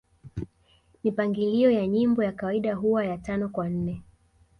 Mipangilio ya nyimbo ya kawaida huwa ya Tano kwa nne